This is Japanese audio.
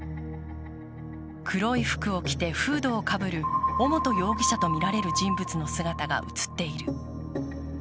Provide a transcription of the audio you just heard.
黒い服を着てフードをかぶる尾本容疑者とみられる人物の姿が映っている。